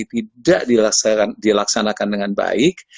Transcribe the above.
tidak dilaksanakan dengan baik